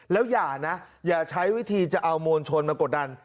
แล้วอย่านะอย่าใช้วิธีจะเอามวลชนมากดดัน